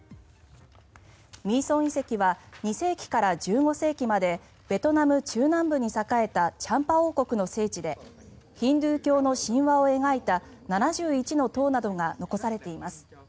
ミーソン遺跡は２世紀から１５世紀までベトナム中南部に栄えたチャンパ王国の聖地でヒンドゥー教の神話を描いた７１の塔などが残されています。